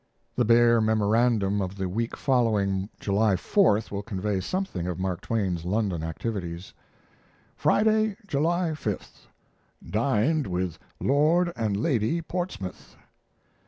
The bare memorandum of the week following July Fourth will convey something of Mark Twain's London activities: Friday, July 5. Dined with Lord and Lady Portsmouth.